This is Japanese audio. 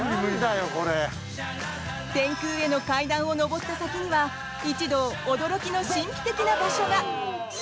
天空への階段を上った先には一同驚きの神秘的な場所が。